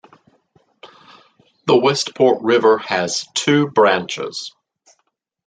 The Westport River has two branches.